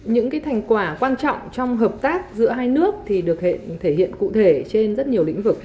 những thành quả quan trọng trong hợp tác giữa hai nước được thể hiện cụ thể trên rất nhiều lĩnh vực